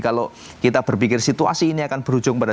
kalau kita berpikir situasi ini akan berujung pada sembilan puluh delapan